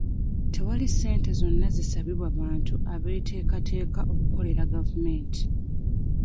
Tewali ssente zonna zisabibwa bantu abeetekateeka okukolera gavumenti.